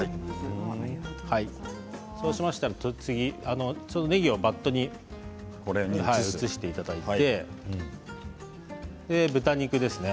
そうしましたら、ねぎをバットに移していただいて豚肉ですね。